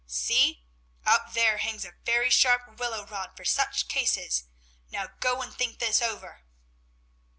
See, up there hangs a very sharp willow rod for such cases. Now go and think this over."